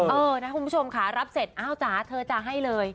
เออนะคุณผู้ชมค่ะรับเสร็จอ้าวจ๋าเธอจะให้เลย